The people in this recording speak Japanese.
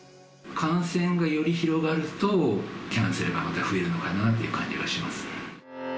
感染がより広がると、キャンセルがまた増えるのかなという感じがします。